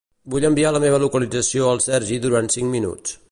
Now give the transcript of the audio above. Vull enviar la meva localització al Sergi durant cinc minuts.